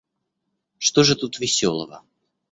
Что же тут веселого?